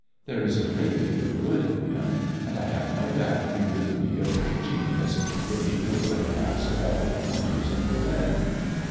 There is a great deal of good in him, and I have no doubt he would be a great genius, if he could but pass a couple of winters at Berlin."